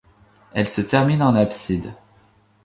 Elle se termine en abside.